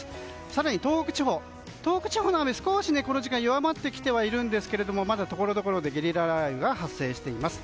更に、東北地方の雨はこの時間弱まってきてはいるんですがまだところどころでゲリラ雷雨が発生しています。